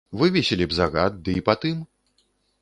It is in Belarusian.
Вывесілі б загад, ды і па тым.